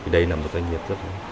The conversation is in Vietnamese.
đây là một doanh nghiệp